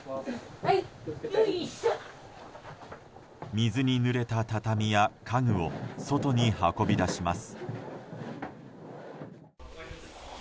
水にぬれた畳や家具を外に運び出します。